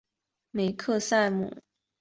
梅克赛姆。